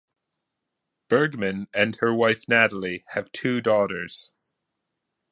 Bergman and her wife Natalie have two daughters.